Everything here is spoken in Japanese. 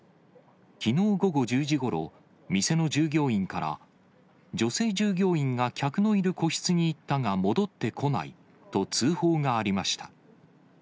きのう午後１０時ごろ、店の従業員から、女性従業員が客のいる個室に行ったが戻ってこないと通報がありました。